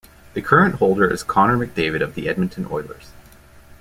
The current holder is Connor McDavid of the Edmonton Oilers.